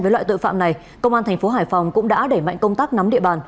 với loại tội phạm này công an tp hải phòng cũng đã đẩy mạnh công tác nắm địa bàn